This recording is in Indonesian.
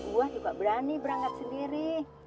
gua juga berani berangkat sendiri